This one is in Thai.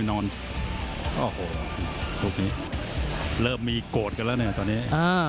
โอ้โหเริ่มมีโกดก็แล้วเนี่ย